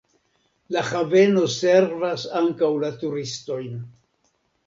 La haveno servas ankaŭ la turistojn.